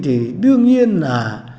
thì đương nhiên là